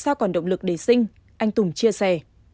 do còn động lực để sinh anh tùng chia sẻ